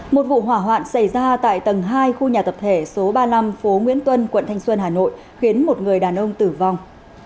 một vụ hỏa hoạn xảy ra tại tầng hai khu nhà tập thể số ba mươi năm phố nguyễn tuân quận thanh xuân hà nội khiến một người đàn ông tử vong